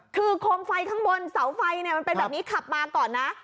คือโคมไฟข้างบนเสาไฟมันเป็นแบบนี้ขับมาก่อนนะ